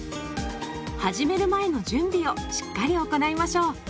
始める前の準備をしっかり行いましょう。